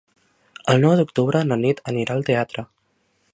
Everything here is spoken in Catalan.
El nou d'octubre na Nit anirà al teatre.